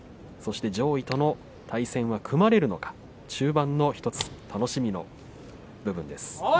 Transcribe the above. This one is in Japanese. そして上位との対戦は組まれるのか中盤の１つ楽しみの部分です。